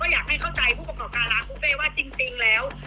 อยากให้เข้าใจผู้ประกอบการร้านบุเป้ว่าจริงแล้ว